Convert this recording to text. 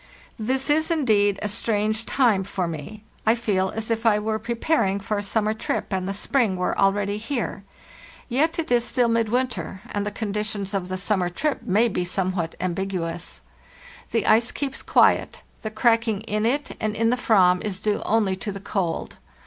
"This is, indeed, a strange time for me; I feel as if I were preparing for a summer trip and the spring were already here, yet it is still midwinter, and the conditions of THE NEW YEAR, 1805 75 the summer trip may be somewhat ambiguous. The ice keeps quiet; the cracking in it and in the Ayam is due only to the cold.